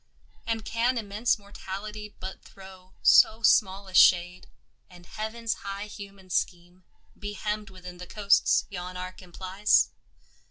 And can immense Mortality but throw So small a shade, and Heaven's high human scheme Be hemmed within the coasts yon arc implies?